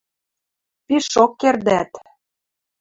Пишок кердӓт!